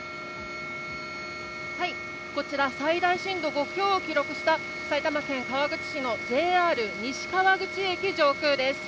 こちら最大震度５強を記録した埼玉県川口市のＪＲ西川口駅上空です。